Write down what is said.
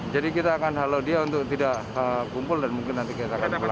jadi kita akan halau dia untuk tidak kumpul dan mungkin nanti kita akan melakukan